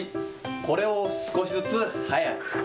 これを少しずつ速く。